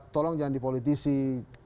tolong jangan dipolitisikan